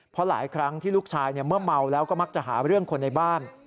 เพราะหลายครั้งที่ลูกชายเมื่อเมาแล้วก็มักจะหาเรื่องคนในบ้าน